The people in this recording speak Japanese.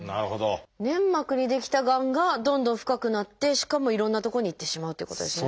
粘膜に出来たがんがどんどん深くなってしかもいろんなとこに行ってしまうということですね。